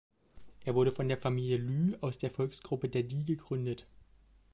Er wurde von der Familie Lü aus der Volksgruppe der Di gegründet.